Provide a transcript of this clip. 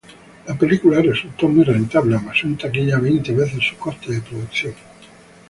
La película resultó muy rentable, amasó en taquilla veinte veces su coste de producción.